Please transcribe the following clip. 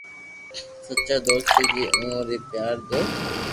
سچا دوست ري جي اووہ ري پيار رو